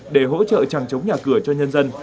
để hỗ trợ chẳng chống nhà cửa cho nhân dân